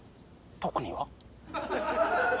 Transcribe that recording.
特には。